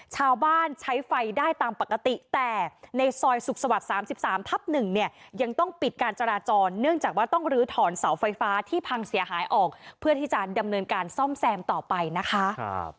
ใช้ไฟได้ตามปกติแต่ในซอยสุขสวรรค์๓๓ทับ๑เนี่ยยังต้องปิดการจราจรเนื่องจากว่าต้องลื้อถอนเสาไฟฟ้าที่พังเสียหายออกเพื่อที่จะดำเนินการซ่อมแซมต่อไปนะคะ